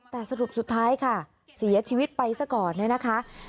แต่สรุปสุดท้ายค่ะเสียชีวิตไปซะก่อนเนี่ยนะคะ